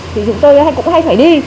thì chúng tôi cũng hay phải đi